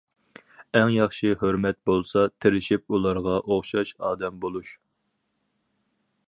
ئەڭ ياخشى ھۆرمەت بولسا تىرىشىپ ئۇلارغا ئوخشاش ئادەم بولۇش.